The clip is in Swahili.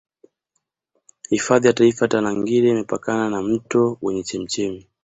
Hifadhi ya taifa ya Tarangire imepakana na mto wenye chemchemi